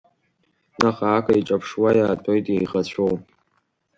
Наҟ-ааҟ иеиҿаԥшуа иаатәоит иеиӷацәоу.